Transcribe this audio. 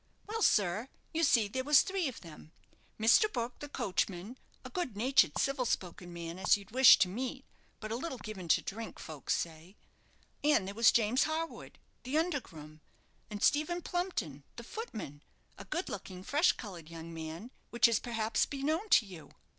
"Well, sir, you see there was three of them. Mr. Brook, the coachman, a good natured, civil spoken man as you'd wish to meet, but a little given to drink, folks say; and there was James Harwood, the under groom; and Stephen Plumpton, the footman, a good looking, fresh coloured young man, which is, perhaps, beknown to you."